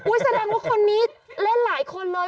แสดงว่าคนนี้เล่นหลายคนเลย